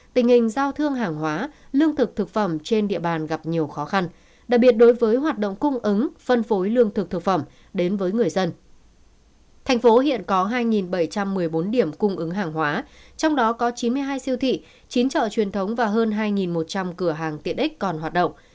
thành phố hiện có hai bảy trăm một mươi bốn điểm cung ứng hàng hóa trong đó có chín mươi hai siêu thị chín chợ truyền thống và hơn hai một trăm linh cửa hàng tiện ích còn hoạt động